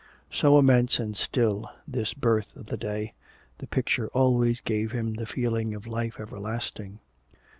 So immense and still, this birth of the day the picture always gave him the feeling of life everlasting.